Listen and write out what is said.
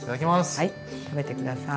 はい食べて下さい。